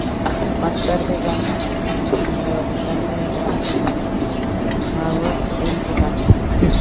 Más tarde gana en Nueva Zelanda y Gran Bretaña con McRae al volante.